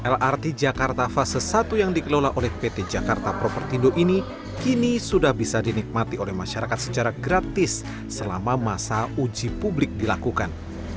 lrt jakarta fase satu yang dikelola oleh pt jakarta propertindo ini kini sudah bisa dinikmati oleh masyarakat secara gratis selama masa uji publik dilakukan